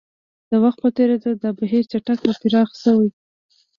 د وخت په تېرېدو دا بهیر چټک او پراخ شوی.